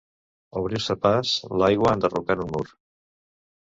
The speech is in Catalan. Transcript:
Obrir-se pas, l'aigua, enderrocant un mur.